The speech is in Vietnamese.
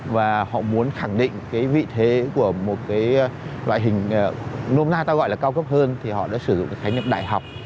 và họ muốn khẳng định cái vị thế của một cái loại hình nôm na ta gọi là cao cấp hơn thì họ đã sử dụng khái niệm đại học